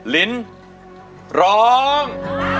ลิ้นร้อง